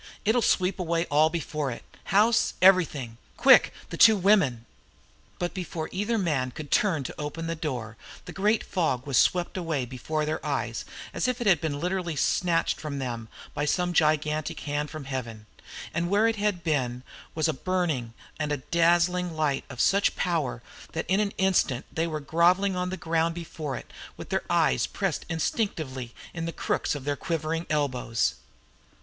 "It'll sweep all before it house, everything! Quick the two women!" But before either man could turn to the open door the great fog was swept away before their eyes as if it had been literally snatched from them by some gigantic hand from heaven, and where it had been was a burning and a dazzling light of such power that in an instant they were grovelling on the ground before it with their eyes pressed instinctively into the crooks of their quivering elbows.